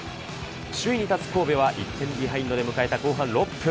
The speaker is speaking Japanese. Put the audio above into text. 首位に立つ神戸は１点ビハインドで迎えた後半６分。